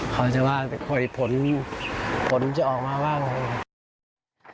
ขออนุญาตแต่ควรผลจะออกมาว่าว่าอย่างไร